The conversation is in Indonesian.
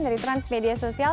dari transmedia sosial